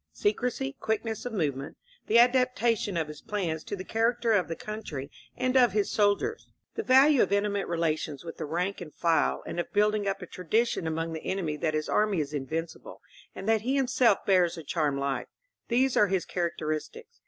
Secrecy, quickness of movement, the adaptation of his plans to the character of the country and of his sol diers, — the value of intimate relations with the rank and file, and of building up a tradition among the en emy that his army is invincible, and that he himself bears a charmed life, — ^these are his characteristics.